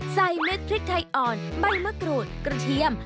ใส่เนื้อพริกไทยอ่อนใบมะโกรธกระเทียม